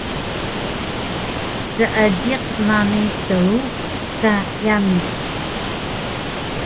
Seejiq nami Truku ka yami